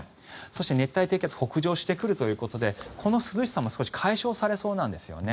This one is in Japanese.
そして、熱帯低気圧北上してくるということでこの涼しさも少し解消されそうなんですよね。